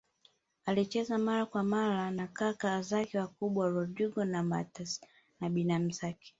alicheza mara kwa mara na kaka zake wakubwa Rodrigo na MatÃas na binamu zake